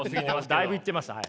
だいぶいってます。